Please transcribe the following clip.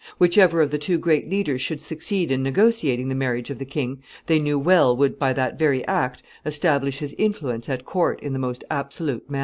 Whichever of the two great leaders should succeed in negotiating the marriage of the king, they knew well would, by that very act, establish his influence at court in the most absolute manner.